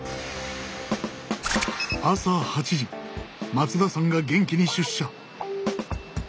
朝８時松田さんが元気に出社。